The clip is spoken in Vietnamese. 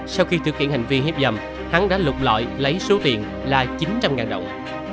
sau khi thực hiện hành vi hiếp dâm hắn đã lục lõi lấy số tiền là chín trăm linh đồng